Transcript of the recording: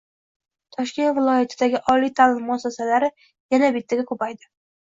Toshkent viloyatidagi oliy ta’lim muassasalari yana bittaga ko‘payding